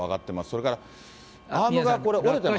それからアームがこれ、折れてますね。